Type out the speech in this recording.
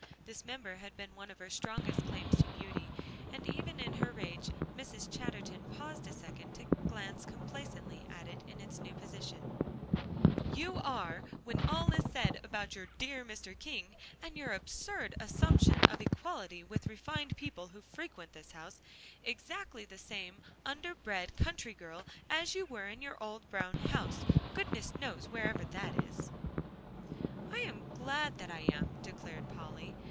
This member had been one of her strongest claims to beauty, and even in her rage, Mrs. Chatterton paused a second to glance complacently at it in its new position "you are, when all is said about your dear Mr. King, and your absurd assumption of equality with refined people who frequent this house, exactly the same underbred country girl as you were in your old brown house, goodness knows wherever that is." "I'm glad I am," declared Polly.